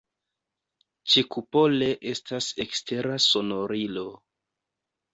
Ĉekupole estas ekstera sonorilo.